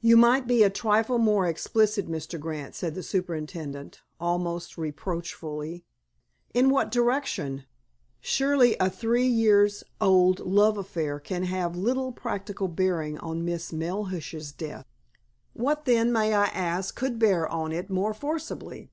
"You might be a trifle more explicit, Mr. Grant," said the superintendent, almost reproachfully. "In what direction? Surely a three years old love affair can have little practical bearing on Miss Melhuish's death?" "What, then, may I ask, could bear on it more forcibly?